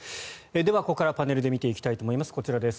では、ここからパネルで見ていきたいと思います。